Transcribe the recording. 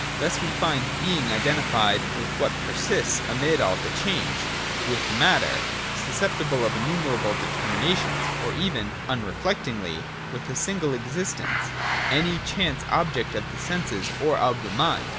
Thus we find Being identified with what persists amid all change, with matter, susceptible of innumerable determinations, — or even, unreflectingly, with a single existence, any chance object of the senses or of the mind.